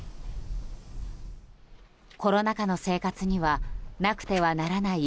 コロナ禍の生活にはなくてはならない